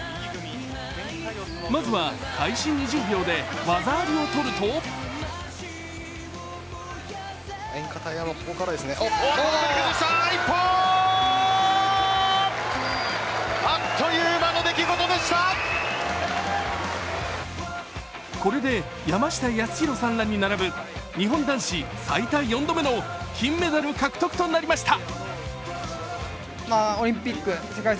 まずは開始２０秒で技ありを取るとこれで山下泰裕さんらに並ぶ日本男子最多４度目の金メダル獲得となりました。